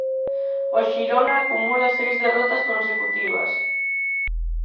O Xirona acumula seis derrotas consecutivas.